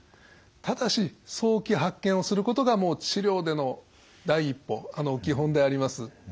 ただし早期発見をすることが治療での第一歩基本であります。